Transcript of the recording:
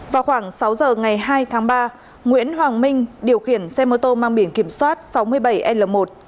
vào khoảng sáu giờ ngày hai tháng ba nguyễn hoàng minh điều khiển xe mô tô mang biển kiểm soát sáu mươi bảy l một tám mươi sáu nghìn năm trăm chín mươi ba